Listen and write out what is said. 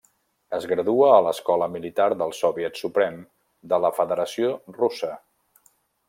Es gradua a l'Escola Militar del Soviet Suprem de la federació russa.